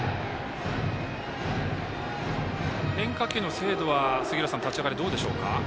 変化球の精度は立ち上がりどうでしょうか。